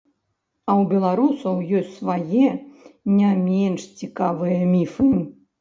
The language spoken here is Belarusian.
А ў беларусаў ёсць свае не менш цікавыя міфы!